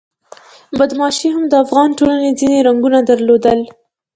بدماشي هم د افغان ټولنې ځینې رنګونه درلودل.